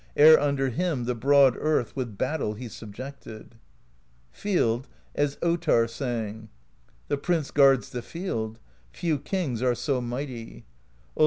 Ere under him the broad Earth With battle he subjected. Field, as Ottarr sang: The Prince guards the Field: Few kings are so mighty; ' See page loo.